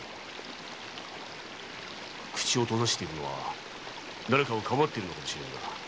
口を閉ざしているのはだれかをかばっているのかもしれんな。